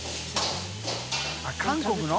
韓国の？